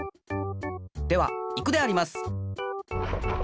ではいくであります。